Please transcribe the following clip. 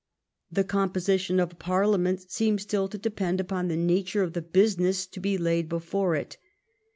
The composition of a parliament seemed still to depend upon the nature of the business to be laid before it.